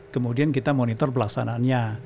kemudian kita monitor pelaksanaannya